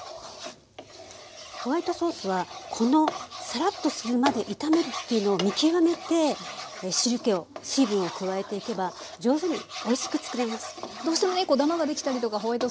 ホワイトソースはこのサラッとするまで炒めるというのを見極めて汁けを水分を加えていけば上手においしくつくれます。